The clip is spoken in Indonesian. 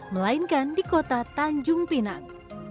melainkan di kota tanjung pinang